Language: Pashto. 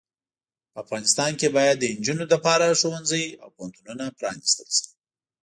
په افغانستان کې باید د انجونو لپاره ښوونځې او پوهنتونونه پرانستل شې.